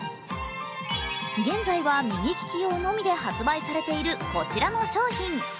現在は右利き用のみで発売されているこちらの商品。